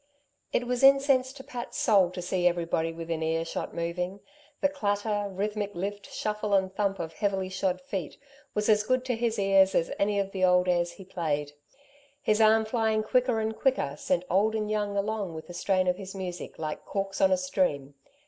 It was incense to Pat's soul to see everybody within earshot moving. The clatter, rhythmic lift, shuffle and thump of heavily shod feet was as good to his ears as any of the old airs he played. His arm flying quicker and quicker, sent old and young along with the strain of his music, like corks on a stream.